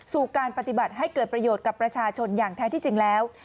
การปฏิบัติให้เกิดประโยชน์กับประชาชนอย่างแท้ที่จริงแล้ว